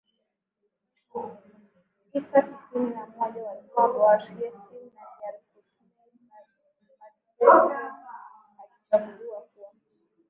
isa tisini na moja walikuwa Boris Yeltsin na Vladimir PutinDmitry Medvedev alichaguliwa kuwa